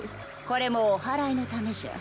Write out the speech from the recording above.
これもおはらいのためじゃ。